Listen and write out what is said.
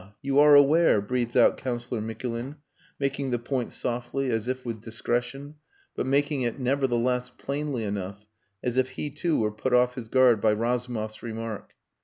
You are aware," breathed out Councillor Mikulin, making the point softly, as if with discretion, but making it nevertheless plainly enough, as if he too were put off his guard by Razumov's remark.